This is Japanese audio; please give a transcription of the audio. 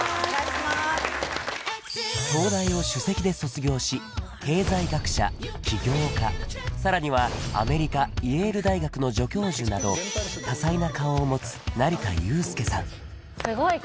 東大を首席で卒業し経済学者起業家さらにはアメリカイェール大学の助教授など多彩な顔を持つ成田悠輔さん